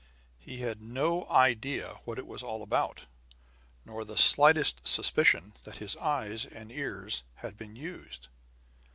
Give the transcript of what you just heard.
He had no idea what it was all about, nor the slightest suspicion that his eyes and ears had been used.